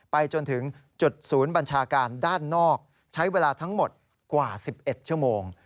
จนถึงจุดศูนย์บัญชาการด้านนอกใช้เวลาทั้งหมดกว่า๑๑ชั่วโมง